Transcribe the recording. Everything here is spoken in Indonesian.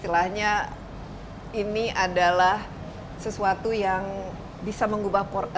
tidak boleh istilahnya ini adalah sesuatu yang bisa mengubah pola peristiwa